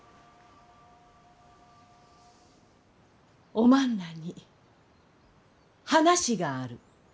おまんらに話がある。